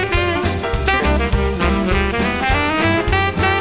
โปรดติดตามต่อไป